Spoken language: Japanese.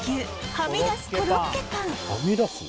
はみ出すコロッケパン